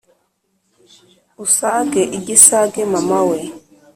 Usage igisage mama we